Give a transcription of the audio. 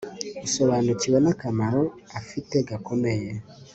usobanukiwe nakamaro afite gakomeye